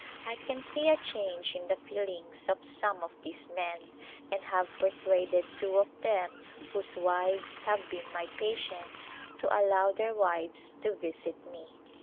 I can see a change in the feelings of some of these men, and have persuaded two of them whose wives have been my patients to allow their wives to visit me.